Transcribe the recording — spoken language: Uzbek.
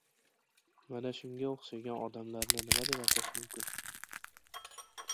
Mana shunga o‘xshagan odamlarni nima deb atash mumkin?